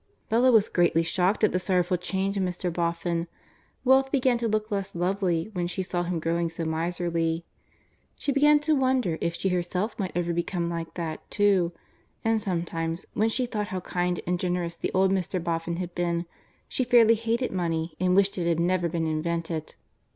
Bella was greatly shocked at the sorrowful change in Mr. Boffin. Wealth began to look less lovely when she saw him growing so miserly. She began to wonder if she herself might ever become like that, too, and sometimes, when she thought how kind and generous the old Mr. Boffin had been, she fairly hated money and wished it had never been invented.